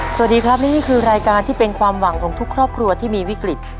สวัสดีครับและนี่คือรายการที่เป็นความหวังของทุกครอบครัวที่มีวิกฤต